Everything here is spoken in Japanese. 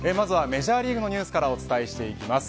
メジャーリーグのニュースからお伝えしていきます。